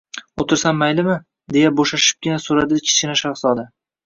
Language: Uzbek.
O‘tirsam maylimi? — deya bo‘shashibgina so‘radi Kichkina shahzoda.